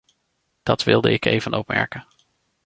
Dat wilde ik even opmerken.